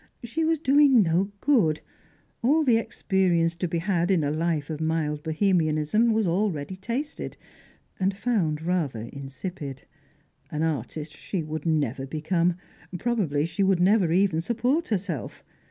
She was doing no good; all the experience to be had in a life of mild Bohemianism was already tasted, and found rather insipid. An artist she would never become; probably she would never even support herself.